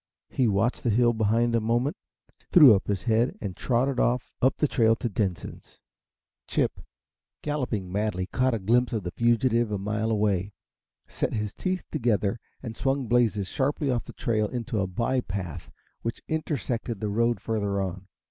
He watched the hill behind a moment, threw up his head and trotted off up the trail to Denson's. Chip, galloping madly, caught a glimpse of the fugitive a mile away, set his teeth together, and swung Blazes sharply off the trail into a bypath which intersected the road further on.